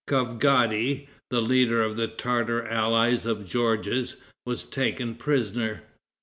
Kavgadi, the leader of the Tartar allies of Georges, was taken prisoner.